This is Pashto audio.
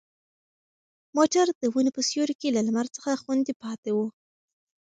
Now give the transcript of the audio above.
موټر د ونې په سیوري کې له لمر څخه خوندي پاتې و.